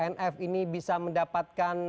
nf ini bisa mendapatkan